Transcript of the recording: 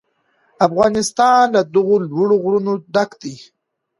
افغانستان له دغو لوړو غرونو ډک دی.